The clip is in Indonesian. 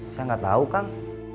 saya gak tau kang